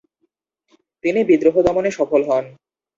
তিনি বিদ্রোহ দমনে সফল হন।